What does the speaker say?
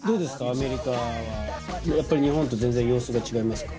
アメリカやっぱり日本と全然様子が違いますか？